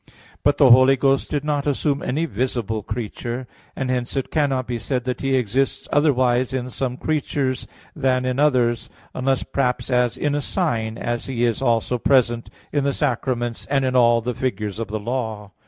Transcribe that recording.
But the Holy Ghost did not assume any visible creature; and hence it cannot be said that He exists otherwise in some creatures than in others, unless perhaps as in a sign, as He is also present in the sacraments, and in all the figures of the law.